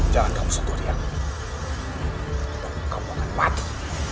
sampai salah satu diantara kalian ada yang mati